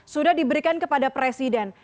sudah diberikan kepada presiden